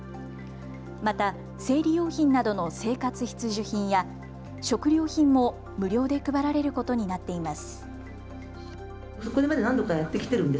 また生理用品などの生活必需品や食料品も無料で配られることになっています。